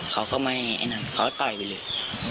เขาก็ไม่ไอ้นั่นเขาก็ต่อยไปเลย